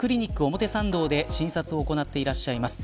表参道で診察を行っていらっしゃいます